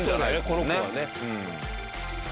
この子はね。